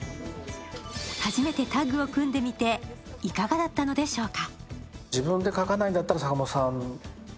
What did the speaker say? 初めてタッグを組んでみていかがだったのでしょうか。